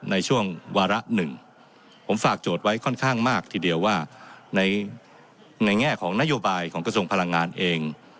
ในช่วงวาระหนึ่งผมฝากโจทย์ไว้ค่อนข้างมากทีเดียวว่าในแง่ของนโยบายของกระทรวงพลังงานเอง